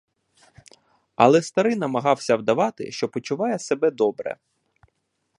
Але старий намагався вдавати, що почуває себе добре.